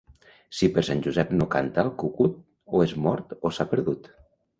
Si per Sant Josep no canta el cucut, o és mort o s'ha perdut.